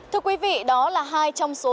thưa quý vị đó là hai trong số